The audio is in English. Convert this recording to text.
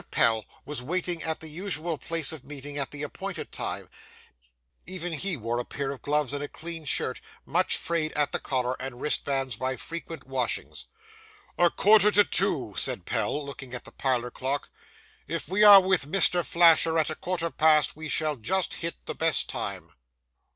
Pell was waiting at the usual place of meeting at the appointed time; even he wore a pair of gloves and a clean shirt, much frayed at the collar and wristbands by frequent washings. 'A quarter to two,' said Pell, looking at the parlour clock. 'If we are with Mr. Flasher at a quarter past, we shall just hit the best time.